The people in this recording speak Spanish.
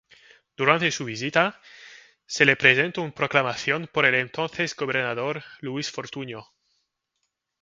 Durante su visita, se le presentó una proclamación por el entonces gobernador Luis Fortuño.